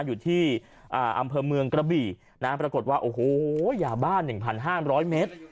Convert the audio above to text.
อยู่ที่อ่าอำเภอเมืองกระบี่นะฮะปรากฎว่าโอ้โหยาบ้านหนึ่งพันห้านร้อยเม็ด